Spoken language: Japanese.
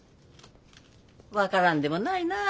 分からんでもないなあ